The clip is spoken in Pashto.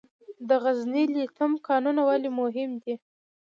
د غزني لیتیم کانونه ولې مهم دي؟